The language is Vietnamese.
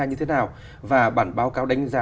như thế nào và bản báo cáo đánh giá